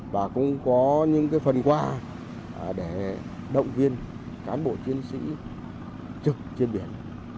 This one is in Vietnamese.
và cũng có những phần quà để động viên cán bộ chiến sĩ trực trên biển